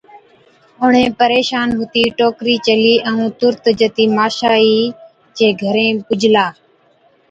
اُڻهين پريشان هُتِي ٽوڪرِي چلِي، ائُون تُرت جتِي ماشائِي چي گھرين پُجلا،